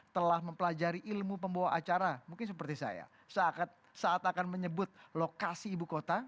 telah mempelajari ilmu pembawa acara mungkin seperti saya seakan saat akan menyebut lokasi ibu kota